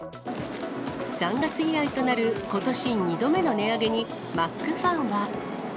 ３月以来となる、ことし２度目の値上げに、マックファンは。